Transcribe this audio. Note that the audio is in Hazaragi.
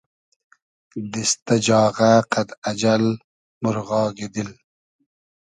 دیست دۂ جاغۂ قئد اجئل مورغاگی دیل